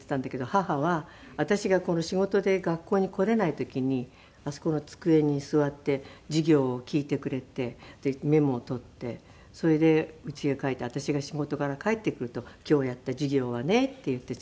母は私が仕事で学校に来れない時にあそこの机に座って授業を聞いてくれてメモを取ってそれで家へ帰って私が仕事から帰ってくると「今日やった授業はね」って言ってちゃんと。